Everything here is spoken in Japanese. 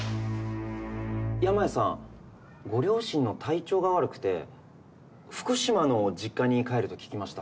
山家さんご両親の体調が悪くて福島の実家に帰ると聞きました。